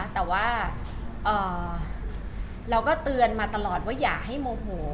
แต่ว่าเราก็เตือนมาตลอดว่าอย่าให้โมโห